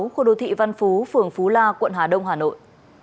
khu đô thị văn phú phường phú la quận hà đông hà nội